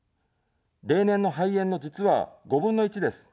例年の肺炎の、実は５分の１です。